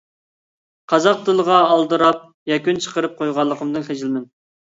قازاق تىلىغا ئالدىراپ يەكۈن چىقىرىپ قويغانلىقىمدىن خىجىلمەن!